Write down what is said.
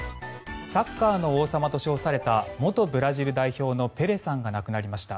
サッカーの王様と称された元ブラジル代表のペレさんが亡くなりました。